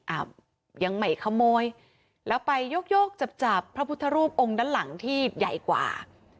อ้าวยังไม่ขโมยแล้วไปยกยกจับจับพระพุทธรูปองค์ด้านหลังที่ใหญ่กว่า